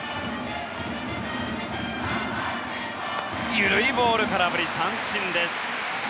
緩いボール、空振り三振です。